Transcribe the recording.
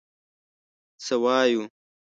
څه وایو.